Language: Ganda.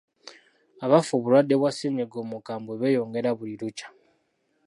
Abafa obulwadde bwa ssennyiga omukambwe beeyongera buli lukya.